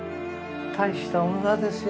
大した女ですよ